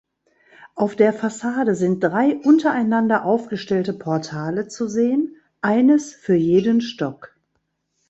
Auf der Fassade sind drei untereinander aufgestellte Portale zu sehen, eines für jeden Stock.